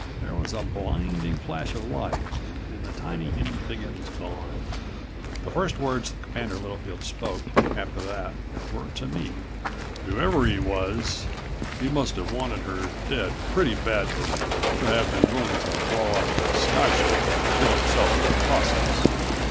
There was a blinding flash of light and the tiny human figure was gone. The first words Commander Littlefield spoke, after that, were to me. "Whoever he was, he must have wanted her dead pretty badly ... to have been willing to blow up the sky ship and kill himself in the process."